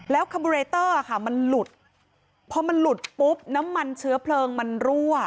แล้วคาบูเรเตอร์ค่ะมันหลุดพอมันหลุดปุ๊บน้ำมันเชื้อเพลิงมันรั่ว